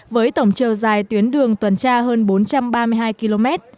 với tổng chiều dài tuyến đường tuần tra hơn bốn trăm ba mươi hai km